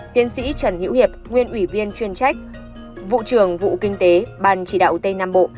tiến sĩ trần hữu hiệp nguyên ủy viên chuyên trách vụ trường vụ kinh tế bàn chỉ đạo tây nam bộ